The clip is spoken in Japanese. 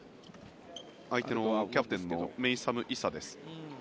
相手はキャプテンのメイサム・イサです。